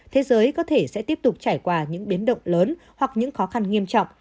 thế giới có thể sẽ tiếp tục trải qua những biến động lớn hoặc những khó khăn nghiêm trọng